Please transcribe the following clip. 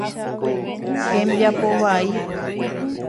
Hembiapo vai.